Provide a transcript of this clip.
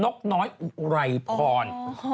นกน้อยไหลพร